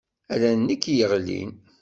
Ala nekk i yeɣlin.